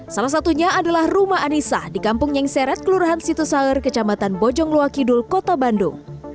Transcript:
salah satunya adalah rumah anissa di kampung yang seret kelurahan situsaer kecamatan bojong loakidul kota bandung